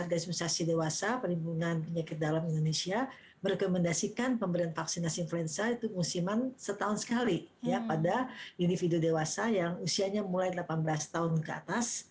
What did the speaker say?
nah dari sarga institusi dewasa perhimpunan penyakit dalam indonesia merekomendasikan pemberian vaksinasi influenza itu musiman setahun sekali pada individu dewasa yang usianya mulai dari delapan belas tahun ke atas